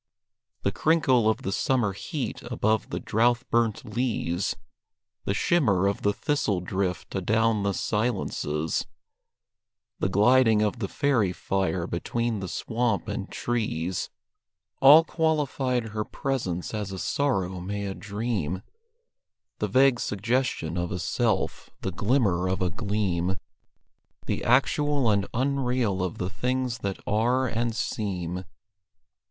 The crinkle of the summer heat above the drouth burnt leas; The shimmer of the thistle drift adown the silences; The gliding of the fairy fire between the swamp and trees: All qualified her presence as a sorrow may a dream The vague suggestion of a self; the glimmer of a gleam; The actual and unreal of the things that are and seem.